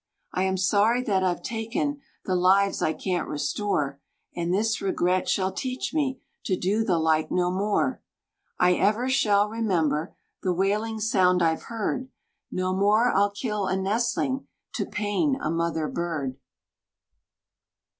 "I am sorry that I've taken The lives I can't restore; And this regret shall teach me To do the like no more. "I ever shall remember The wailing sound I've heard! No more I'll kill a nestling, To pain a mother bird!"